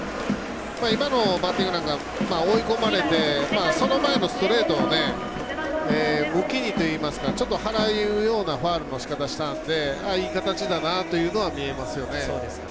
今のバッティングなんか追い込まれてその前のストレートも受けにといいますからちょっと払うようなファウルをしたのでいい形だなというのは見えますよね。